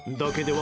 は